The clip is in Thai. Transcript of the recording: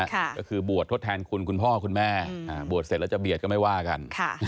ก็คือบวชทดแทนคุณคุณพ่อคุณแม่บวชเสร็จแล้วจะเบียดก็ไม่ว่ากัน